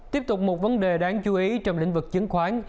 tiếp tục một vấn đề đáng chú ý trong lĩnh vực chứng khoán